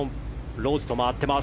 ローズと回っています。